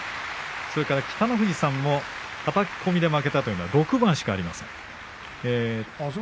それから北の富士さんもはたき込みで負けたというのは６番しかありません。